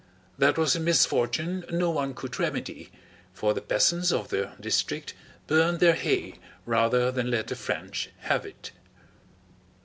That was a misfortune no one could remedy, for the peasants of the district burned their hay rather than let the French have it.